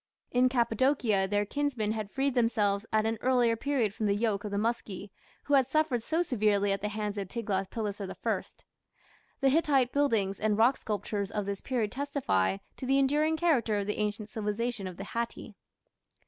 In Cappadocia their kinsmen had freed themselves at an earlier period from the yoke of the Muski, who had suffered so severely at the hands of Tiglath pileser I. The Hittite buildings and rock sculptures of this period testify to the enduring character of the ancient civilization of the "Hatti".